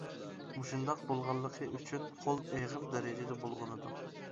مۇشۇنداق بولغانلىقى ئۈچۈن قول ئېغىر دەرىجىدە بۇلغىنىدۇ.